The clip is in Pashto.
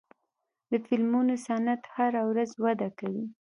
د فلمونو صنعت هره ورځ وده کوي.